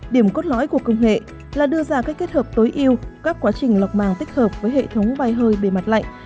điểm cốt lõi của công nghệ là đưa ra cách kết hợp tối yêu các quá trình lọc màng tích hợp với hệ thống bay hơi bề mặt lạnh